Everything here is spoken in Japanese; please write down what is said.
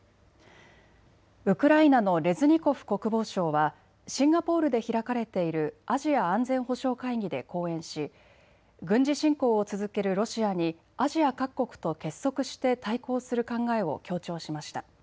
ウクライナのレズニコフ国防相はシンガポールで開かれているアジア安全保障会議で講演し軍事侵攻を続けるロシアにアジア各国と結束して対抗する考えを強調しました。